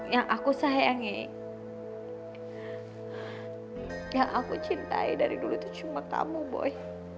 yang aku sayangi yang aku cintai dari dulu itu cuma tamu boy